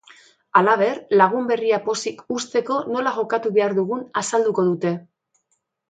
Halaber, lagun berria pozik uzteko nola jokatu behar dugun azalduko dute.